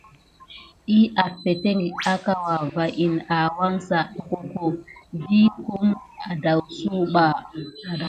Ɗiy afeteŋgək akawa va in awangsa akoko vigue kum edawuza ba.